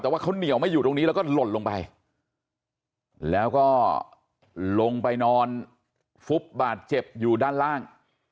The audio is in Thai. แต่ว่าเขาเหนียวไม่อยู่ตรงนี้แล้วก็หล่นลงไปแล้วก็ลงไปนอนฟุบบาดเจ็บอยู่ด้านล่าง